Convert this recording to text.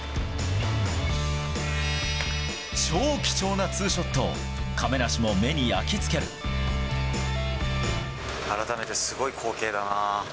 超貴重なツーショットを、亀梨も改めてすごい光景だな。